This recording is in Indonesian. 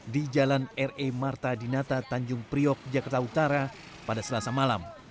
di jalan re marta dinata tanjung priok jakarta utara pada selasa malam